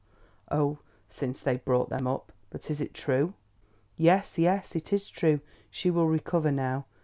"Oh, since they brought them up. But is it true?" "Yes, yes, it is true. She will recover now.